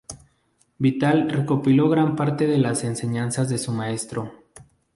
Vital recopiló gran parte de las enseñanzas de su maestro.